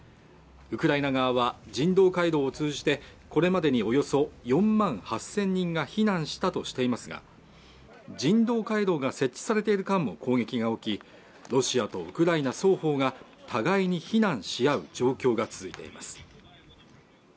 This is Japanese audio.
ウクライナ側は人道回廊を通じてこれまでにおよそ４万８０００人が避難したとしていますが人道回廊が設置されている間も攻撃が起きロシアとウクライナ双方が互いに非難し合う状況が続いています